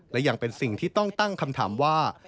และยังเป็นสิ่งที่ต้องตั้งคำถามว่า